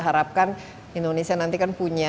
harapkan indonesia nanti kan punya